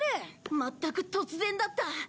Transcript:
まったく突然だった。